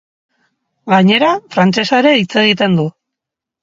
Gainera, frantsesa ere hitz egiten du.